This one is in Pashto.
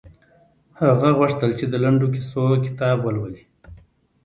هغه غوښتل چې د لنډو کیسو کتاب ولولي